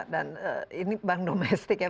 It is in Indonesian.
dan ini bank domestik ya